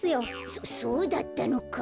そそうだったのか。